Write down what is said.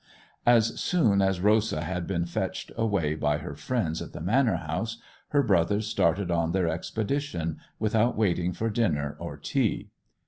As soon as Rosa had been fetched away by her friends at the manor house her brothers started on their expedition, without waiting for dinner or tea.